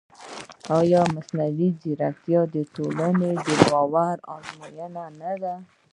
ایا مصنوعي ځیرکتیا د ټولنیز باور ازموینه نه ده؟